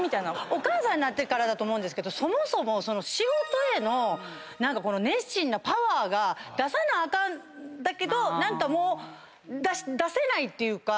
お母さんになってからだと思うけどそもそも仕事へのこの熱心なパワーが出さなあかんだけど何かもう出せないっていうか。